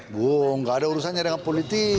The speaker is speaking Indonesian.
bu nggak ada urusannya dengan politik